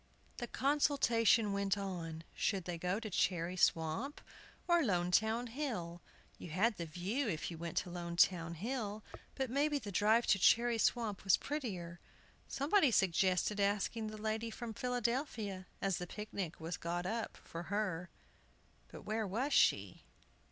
The consultation went on. Should they go to Cherry Swamp, or Lonetown Hill? You had the view if you went to Lonetown Hill, but maybe the drive to Cherry Swamp was prettier. Somebody suggested asking the lady from Philadelphia, as the picnic was got up for her. But where was she?